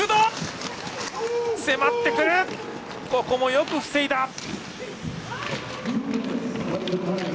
ここもよく防いだ。